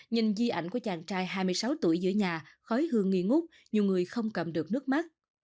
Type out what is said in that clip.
nhìn di ảnh của chàng trai hai mươi sáu tuổi giữa nhà khói hương nghi ngút nhiều người không cầm được nước mắt